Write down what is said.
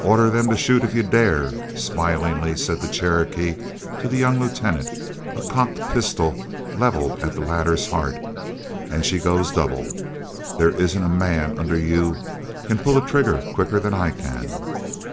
"Order them to shoot if you dare," smilingly said the Cherokee to the young lieutenant, a cocked pistol leveled at the latter's heart, "and she goes double. There isn't a man under you can pull a trigger quicker than I can."